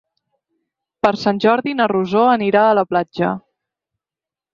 Per Sant Jordi na Rosó anirà a la platja.